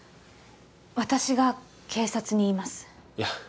私が警察に言いますいや